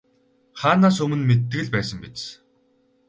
Хаанаас өмнө мэддэг л байсан биз.